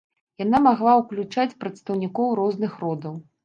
Яна магла ўключаць прадстаўнікоў розных родаў.